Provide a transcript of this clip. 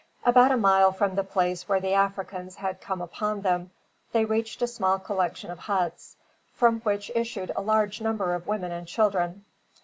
About a mile from the place where the Africans had come upon them, they reached a small collection of huts, from which issued a large number of women and children.